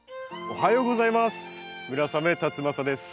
おはようございます。